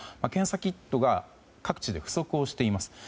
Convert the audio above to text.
検査キットが各地で不足しています。